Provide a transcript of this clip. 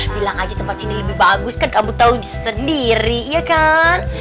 bilang aja tempat sini lebih bagus kan kamu tau bisa sendiri iya kan